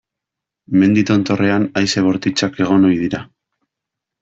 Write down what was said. Mendi tontorrean haize bortitzak egon ohi dira.